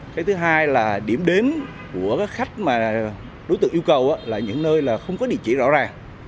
cái thứ hai là điểm đến của khách mà đối tượng yêu cầu là những nơi là không có địa chỉ rõ ràng